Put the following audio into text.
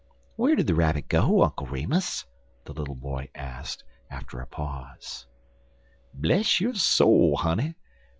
"Where did the Rabbit go, Uncle Remus?" the little boy asked, after a pause. "Bless yo' soul, honey!